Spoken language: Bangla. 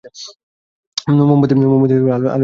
মোমবাতির আলোয় পড়তে অসুবিধা হবে।